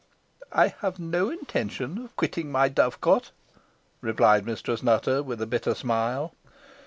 "I have no intention of quitting my dovecot," replied Mistress Nutter, with a bitter smile.